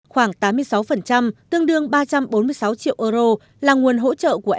khoảng tám mươi sáu tương đương ba trăm bốn mươi sáu triệu euro là nguồn hỗ trợ của eu